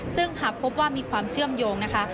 ซึ่งหากพบว่ามีความเชื่อมโยงนะคะ